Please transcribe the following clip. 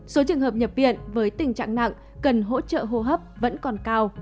số trường hợp nhập viện với tình trạng nặng cần hỗ trợ hô hấp vẫn còn cao